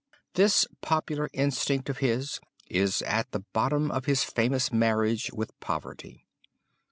This popular instinct of his is at the bottom of his famous marriage with poverty.